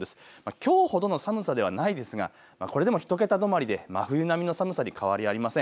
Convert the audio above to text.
きょうほどの寒さではないですがこれでも１桁止まりで真冬並みの寒さに変わりありません。